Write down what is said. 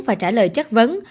và trả lời chắc vấn